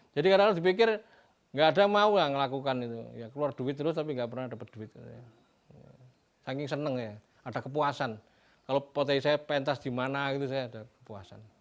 jadi kadang kadang dipikir gak ada mau yang ngelakukan itu keluar duit terus tapi gak pernah dapat duit saking seneng ya ada kepuasan kalau potehi saya pentas di mana saya ada kepuasan